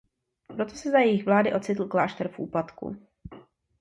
Proto se za jejich vlády ocitl klášter v úpadku.